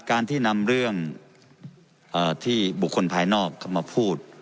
การที่นำเรื่องที่บุคคลภายนอกเข้ามาพูด